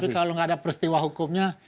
kalau nggak ada peristiwa hukumnya